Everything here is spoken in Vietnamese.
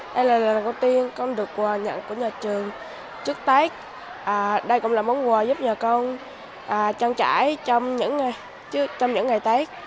đây là lần đầu tiên con được nhận của nhà trường trước tết đây cũng là món quà giúp nhà con trang trải trong những ngày tết